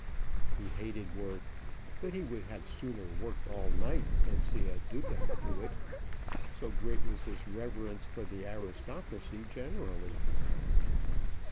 He hated work; but he would have sooner worked all night than see a Duca do it, so great was his reverence for the aristocracy generally.